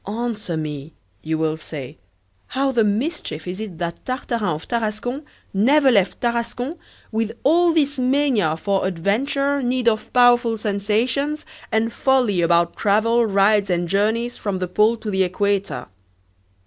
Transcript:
ANSWER me, you will say, how the mischief is it that Tartarin of Tarascon never left Tarascon with all this mania for adventure, need of powerful sensations, and folly about travel, rides, and journeys from the Pole to the Equator?